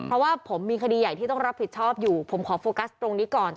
เพราะว่าผมมีคดีใหญ่ที่ต้องรับผิดชอบอยู่ผมขอโฟกัสตรงนี้ก่อน